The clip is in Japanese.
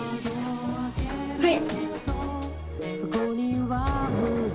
はい！